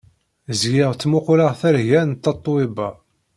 Zgiɣ ttmuquleɣ targa n Tatoeba.